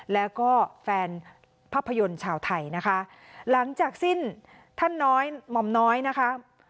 แล้วก็แฟนภาพยนตร์ชาวไทยนะคะหลังจากสิ้นท่านน้อยหม่อมน้อยนะคะ